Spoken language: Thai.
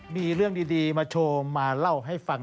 มีเรื่องดีมาโชว์มาเล่าให้ฟัง